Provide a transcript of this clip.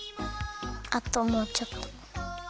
あともうちょっと。